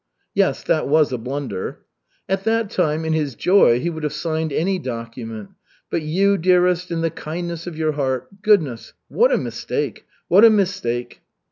"Yes, that was a blunder." "At that time, in his joy, he would have signed any document. But you, dearest, in the kindness of your heart goodness, what a mistake! What a mistake!"